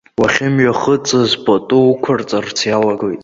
Уахьымҩахыҵыз пату уқәырҵарц иалагоит.